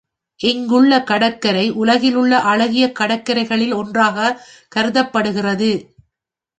இங்குள்ள கடற்கரை உலகில் உள்ள அழகிய கடற்கரைகளில் ஒன்றாகக் கருதப்படுகிறது.